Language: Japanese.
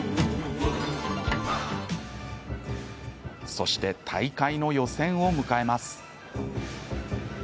そして大会の予選を迎えます。